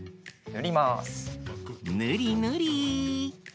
ぬりぬり。